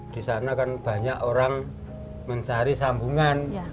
di sana kan banyak orang mencari sambungan